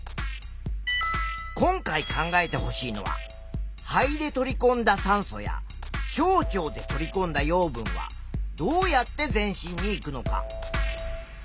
今回考えてほしいのは「肺で取りこんだ酸素や小腸で取りこんだ養分はどうやって全身にいくのか」。